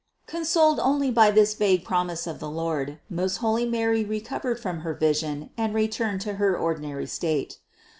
745. Consoled only by this vague promise of the Lord, most holy ; Mary recovered from her vision and returned to her ordinary state.